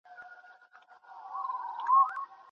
ولسي جرګه له حکومتي چارواکو جواب غواړي.